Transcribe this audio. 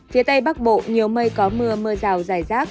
phía tây bắc bộ nhiều mây có mưa mưa rào dài rác